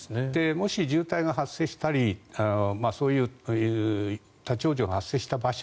もし渋滞が発生したりそういう立ち往生が発生した場所